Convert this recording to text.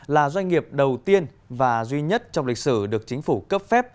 là doanh nghiệp đầu tiên và duy nhất trong lịch sử được chính phủ cấp phép